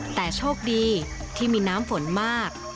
แต่โชคดีที่มีน้ำฝนมาก